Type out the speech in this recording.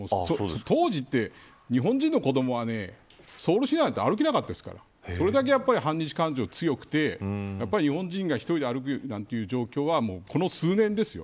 当時って日本人の子どもはソウル市内なんて歩けなかったですからそれだけ反日感情が強くて日本人が１人で歩くなんていう状況はこの数年ですよ。